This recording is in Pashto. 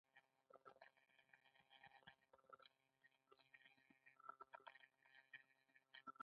انا له خپلو لمسیو نه جدا کېدل نه خوښوي